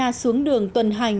đã xuống đường tuần hành